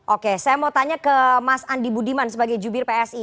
oke saya mau tanya ke mas andi budiman sebagai jubir psi